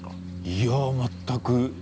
いや全く。